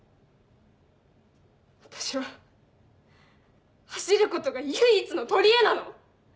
私は走ることが唯一の取りえなの！